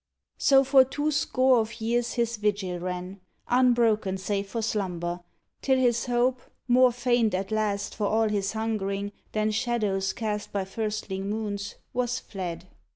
So for two score of years his vigil ran. Unbroken save for slumber, till his hope. More faint at last, for all his hungering. Than shadows cast by firstling moons, was fled.